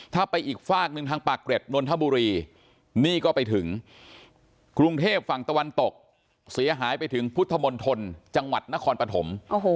ถ้าไปอีกฝากหนึ่งทางปากเกร็ดนนทบุรีนี่ก็ไปถึงกรุงเทพฝั่งตะวันตกเสียหายไปถึงพุทธมณฑลจังหวัดนครปฐม